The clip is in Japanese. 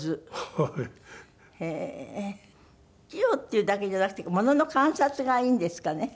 器用っていうだけじゃなくてものの観察がいいんですかね？